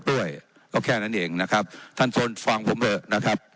ด้วยก็แค่นั้นเองนะครับท่านสนฟังผมเลยนะครับ